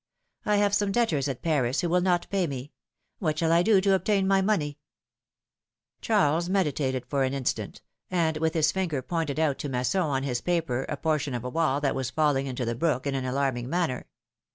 I have some debtors at Paris who will not pay me ; what shall I do to obtain my money ?" Charles meditated for an instant, and with his finger pointed out to Masson on his paper a portion of a wall that was falling into the brook in an alarming manner.